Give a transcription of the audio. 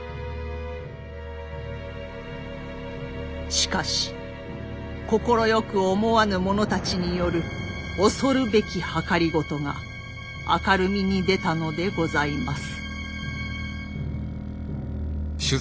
しかし快く思わぬ者たちによる恐るべき謀が明るみに出たのでございます。